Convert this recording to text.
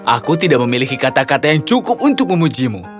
aku tidak memiliki kata kata yang cukup untuk memujimu